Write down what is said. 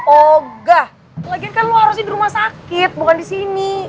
oga lagian kan lu harusnya di rumah sakit bukan disini